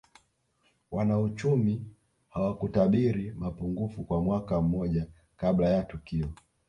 Wanauchumi hawakutabiri mapungufu kwa mwaka mmoja kabla ya tukio